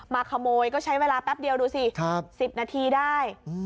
มาขโมยก็ใช้เวลาแป๊บเดียวดูสิ๑๐นาทีได้